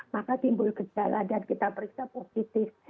maka timbul gejala dan kita periksa positif